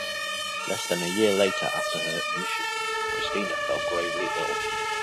Less than a year later after her admission, Christina fell gravely ill.